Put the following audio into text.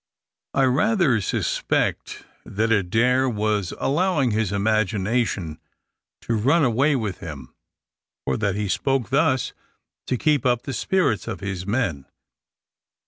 I rather suspect that Adair was allowing his imagination to run away with him, or that he spoke thus to keep up the spirits of his men.